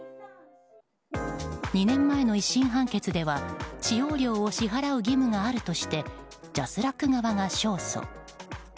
２年前の１審判決では使用料を支払う義務があるとしてＪＡＳＲＡＣ側が勝訴。